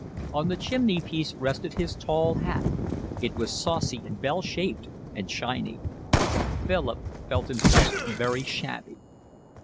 On the chimney piece rested his tall hat; it was saucy and bell shaped and shiny. Philip felt himself very shabby.